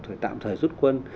tạm thời rút quân